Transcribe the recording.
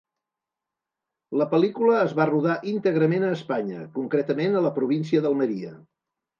La pel·lícula es va rodar íntegrament a Espanya, concretament a la província d'Almeria.